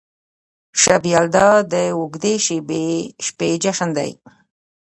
شب یلدا د اوږدې شپې جشن دی.